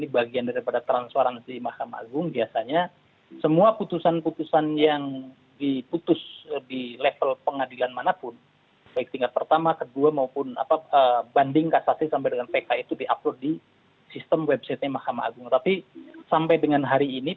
bagaimana tindak lanjutnya dalam beberapa bulan terakhir pak mustoleh